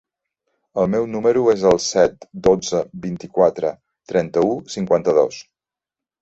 El meu número es el set, dotze, vint-i-quatre, trenta-u, cinquanta-dos.